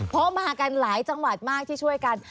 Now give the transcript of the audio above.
เพราะมากันหลายจังหวัดมากที่ช่วยกัน